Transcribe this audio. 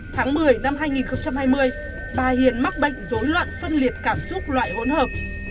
tháng một mươi năm hai nghìn hai mươi bà hiền mắc bệnh dối loạn phân liệt cảm xúc loại hỗn hợp